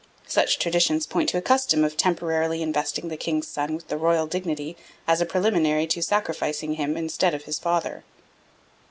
Such traditions point to a custom of temporarily investing the king's son with the royal dignity as a preliminary to sacrificing him instead of his father.